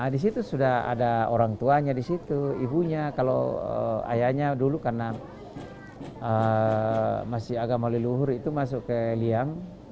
disitu sudah ada orang tuanya disitu ibunya kalau ayahnya dulu karena masih agama leluhur itu masuk ke liang